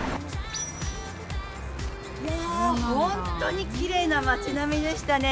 いやー、本当にきれいな街並みでしたね。